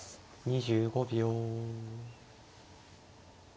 ２５秒。